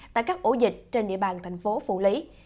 tại các ổ dịch trên địa bàn thành phố phủ lý